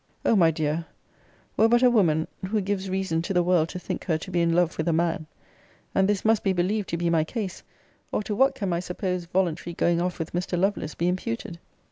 Oh! my dear, were but a woman, who gives reason to the world to think her to be in love with a man, [And this must be believed to be my case; or to what can my supposed voluntary going off with Mr. Lovelace be imputed?